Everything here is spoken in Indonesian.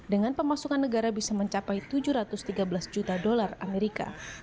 dengan pemasukan negara bisa mencapai tujuh ratus tiga belas juta dolar amerika